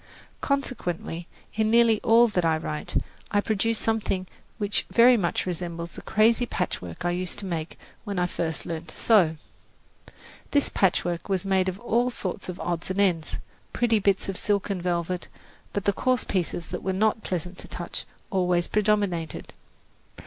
Consequently, in nearly all that I write, I produce something which very much resembles the crazy patchwork I used to make when I first learned to sew. This patchwork was made of all sorts of odds and ends pretty bits of silk and velvet; but the coarse pieces that were not pleasant to touch always predominated.